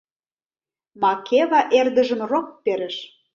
Макева эрдыжым роп перыш: